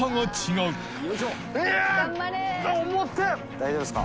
大丈夫ですか？